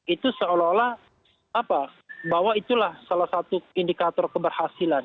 itu seolah olah bahwa itulah salah satu indikator keberhasilan